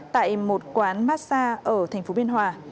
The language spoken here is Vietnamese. tại một quán massage ở thành phố biên hòa